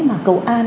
mà cầu an